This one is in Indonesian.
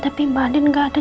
tapi mbak andien gak ada